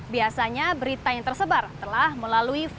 biasanya berita yang terpercaya adalah berita yang terpercaya